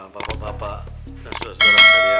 bapak bapak dan saudara sekalian